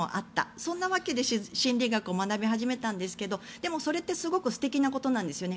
そんなわけで心理学を学び始めたんですがでもそれってすごく素敵なことなんですよね。